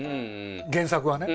原作はね。